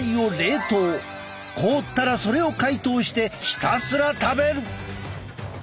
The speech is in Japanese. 凍ったらそれを解凍してひたすら食べる。